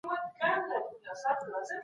زه کولای شم منډه ووهم.